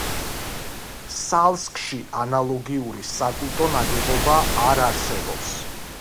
სალსკში ანალოგიური საკულტო ნაგებობა არ არსებობს.